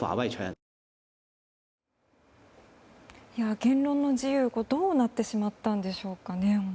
言論の自由はどうなってしまったんでしょうかね。